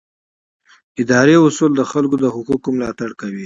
اداري اصول د خلکو د حقونو ملاتړ کوي.